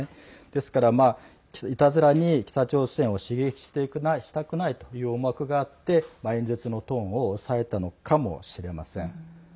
ですから、いたずらに北朝鮮を刺激したくないという思惑があって演説のトーンを抑えたのかもしれません。